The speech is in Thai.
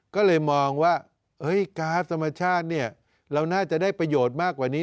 ก็เลยมองว่าก๊าซธรรมชาติเนี่ยเราน่าจะได้ประโยชน์มากกว่านี้